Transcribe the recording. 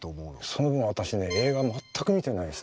その分私ね映画全く見てないです。